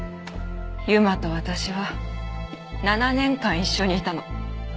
ＵＭＡと私は７年間一緒にいたの。